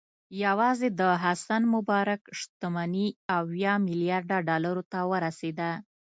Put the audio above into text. یوازې د حسن مبارک شتمني اویا میلیارده ډالرو ته رسېده.